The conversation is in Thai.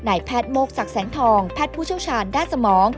แพทย์โมกศักดิ์แสงทองแพทย์ผู้เชี่ยวชาญด้านสมอง